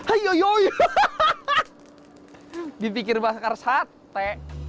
aiyai dipikir bakar sate